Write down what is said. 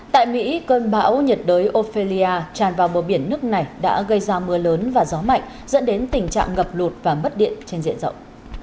tại mỹ cơn bão nhiệt đới ophelia tràn vào bờ biển nước này đã gây ra mưa lớn và gió mạnh dẫn đến tình trạng ngập lụt và mất điện trên diện rộng